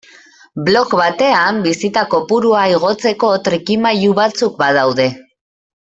Blog batean bisita kopurua igotzeko trikimailu batzuk badaude.